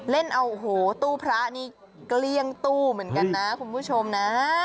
เล่นเอาโอ้โหตู้พระนี่เกลี้ยงตู้เหมือนกันนะคุณผู้ชมนะ